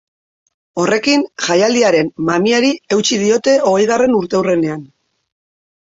Horrekin, jaialdiaren mamiari eutsi diote hogeigarren urteurrenean.